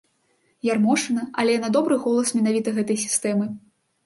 Ярмошына, але яна добры голас менавіта гэтай сістэмы.